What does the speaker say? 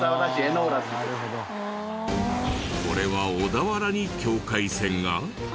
これは小田原に境界線が？